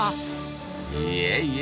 いえいえ。